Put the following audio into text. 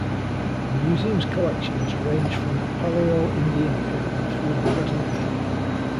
The Museum's collections range from the Paleo-Indian period through the present day.